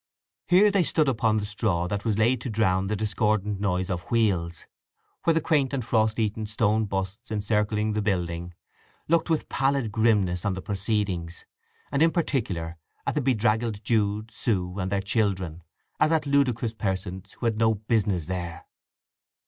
Here they stood upon the straw that was laid to drown the discordant noise of wheels, where the quaint and frost eaten stone busts encircling the building looked with pallid grimness on the proceedings, and in particular at the bedraggled Jude, Sue, and their children, as at ludicrous persons who had no business there.